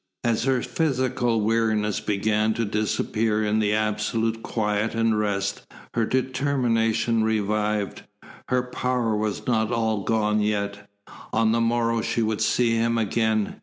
As her physical weariness began to disappear in the absolute quiet and rest, her determination revived. Her power was not all gone yet. On the morrow she would see him again.